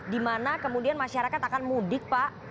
dimana kemudian masyarakat akan mudik pak